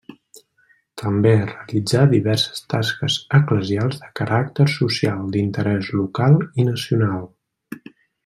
També realitzà diverses tasques eclesials de caràcter social, d'interès local i nacional.